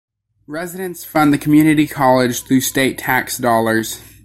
Residents fund the community college through state tax dollars.